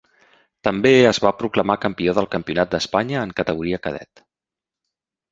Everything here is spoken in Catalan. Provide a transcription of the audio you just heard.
També es va proclamar campió del campionat d'Espanya en categoria cadet.